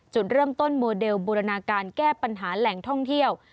จุดเริ่มต้นโมเดลบูรณาการแก้ปัญหาแหล่งท่องเที่ยว